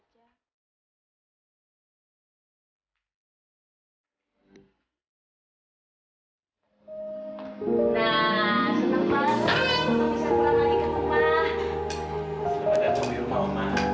selamat datang di rumah mama